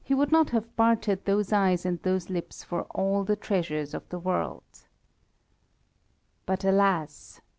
He would not have bartered those eyes and those lips for all the treasures of the world. But, alas!